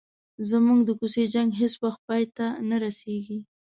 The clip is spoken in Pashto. زموږ د کوڅې جنګ هیڅ وخت پای ته نه رسيږي.